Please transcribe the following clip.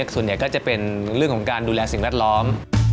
ส่วนใหญ่ก็จะเป็นเรื่องของการดูแลสิ่งแวดล้อม